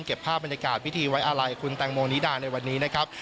ภาพบรรยากาศพิธีไว้อาลัยคุณแตงโมนิดาในวันนี้นะครับ